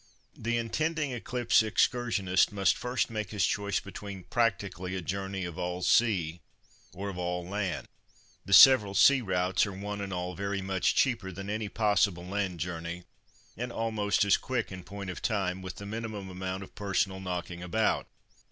The intending Eclipse excursionist must first make his choice between (practically) a journey of all sea or of all land. The several sea routes are one and all very much cheaper than any possible land journey, and almost as quick in point of time, with the minimum amount of personal knocking about.